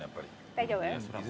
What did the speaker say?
大丈夫？